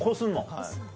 はい。